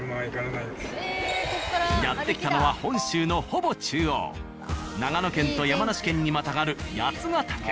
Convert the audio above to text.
やって来たのは本州のほぼ中央長野県と山梨県にまたがる。